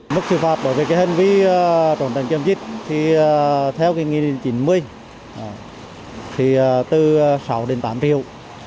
mức xử phạt bởi hành vi trộm thành chiếm dịch theo nghị chín mươi từ sáu đến tám triệu